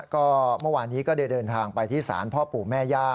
ก็เมื่อวานนี้ก็ได้เดินทางไปที่ศาลพ่อปู่แม่ย่า